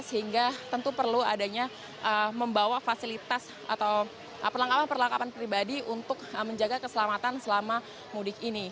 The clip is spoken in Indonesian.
jadi tentu perlu adanya membawa fasilitas atau perlengkapan perlengkapan pribadi untuk menjaga keselamatan selama mudik ini